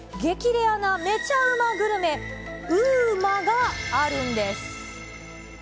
レアなめちゃうまグルメ、ＵＭＡがあるんです。